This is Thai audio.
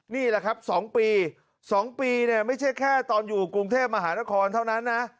นี่แหละครับ๒ปี๒ปีเนี่ยไม่ใช่แค่ตอนอยู่กรุงเทพมหานครเท่านั้นนะ